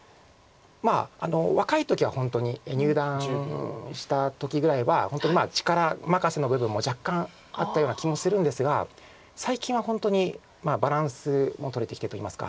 若い時は本当に入段した時ぐらいは本当に力任せの部分も若干あったような気もするんですが最近は本当にバランスもとれてきてといいますか。